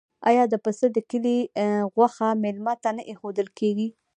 آیا د پسه د کلي غوښه میلمه ته نه ایښودل کیږي؟